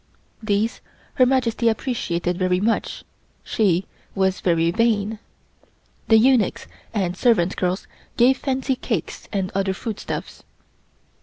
These Her Majesty appreciated very much; she was very vain. The eunuchs and servant girls gave fancy cakes and other food stuffs.